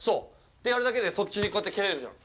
てやるだけで、そっちにこうやって蹴れるじゃん。